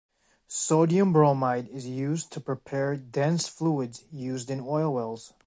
Sodium bromide is used to prepare dense fluids used in oil wells.